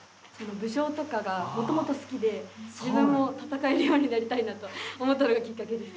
武将とかがもともと好きで自分も戦えるようになりたいなと思ったのがきっかけです。